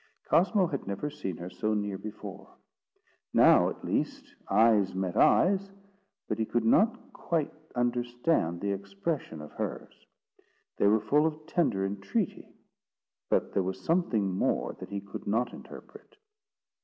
Cosmo had never seen her so near before. Now at least, eyes met eyes; but he could not quite understand the expression of hers. They were full of tender entreaty, but there was something more that he could not interpret.